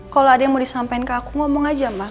kalau ada yang mau disampaikan ke aku ngomong aja mbak